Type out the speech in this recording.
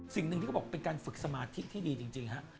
สิ่งหนึ่งที่เขาบอกเป็นการฝึกสมาธิที่ดีจริงฮะ